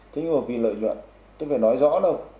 thế nhưng mà vì lợi nhuận tôi phải nói rõ đâu